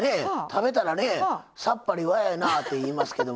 食べたらねさっぱりわややなって言いますけど。